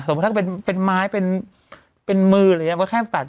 สมมติถ้าเป็นม้ายเป็นมืออะไรอย่างนั้น